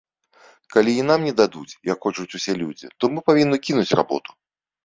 Калі і нам не дадуць, як хочуць усе людзі, то мы павінны кінуць работу.